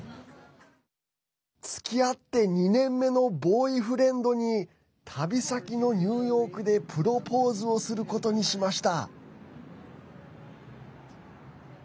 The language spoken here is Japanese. つきあって２年目のボーイフレンドに旅先のニューヨークでプロポーズをすることにしました。